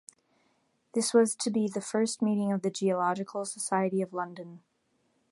This was to be the first meeting of the Geological Society of London.